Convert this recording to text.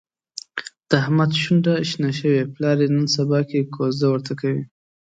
د احمد شونډه شنه شوې، پلار یې نن سباکې کوزده ورته کوي.